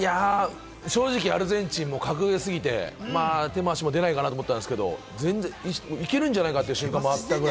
正直、アルゼンチンも格上すぎて、手も足も出ないかなと思ったんですけれど、いけるんじゃないか？という瞬間もあったくらい。